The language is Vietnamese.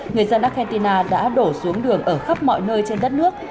người dân argentina đã đổ xuống đường ở khắp mọi nơi trên đất nước